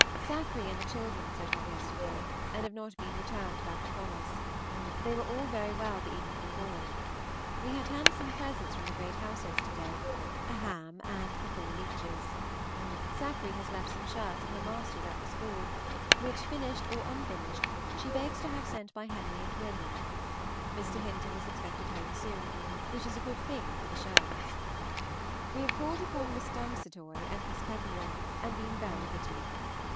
Sackree and the children set off yesterday, and have not been returned back upon us. They were all very well the evening before. We had handsome presents from the Gt. House yesterday, a ham and the four leeches. Sackree has left some shirts of her master's at the school, which, finished or unfinished, she begs to have sent by Henry and Wm. Mr. Hinton is expected home soon, which is a good thing for the shirts. We have called upon Miss Dusantoy and Miss Papillon, and been very pretty.